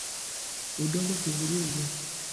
Udongo kuvurugwa